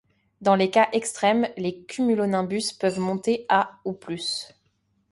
Dans les cas extrêmes, les cumulonimbus peuvent monter à ou plus.